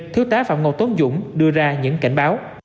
thứ tá phạm ngọc tốn dũng đưa ra những cảnh báo